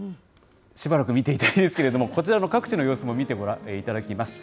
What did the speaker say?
しばらく見ていたいですけれども、こちらの各地の様子も見ていただきます。